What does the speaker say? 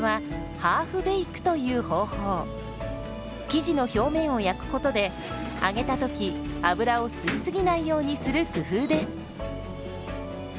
生地の表面を焼くことで揚げた時油を吸い過ぎないようにする工夫です。